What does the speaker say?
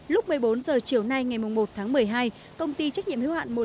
lúc một mươi bốn h chiều nay ngày một tháng một mươi hai công ty trách nhiệm hiếu hạn một thành phố